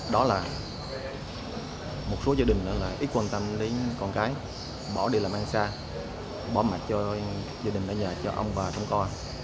đó là một số gia đình ít quan tâm đến con cái bỏ đi làm ăn xa bỏ mặt cho gia đình ở nhà cho ông và trong con